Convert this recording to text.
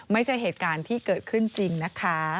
ไม่ใช่เหตุการณ์ที่เกิดขึ้นจริงนะคะ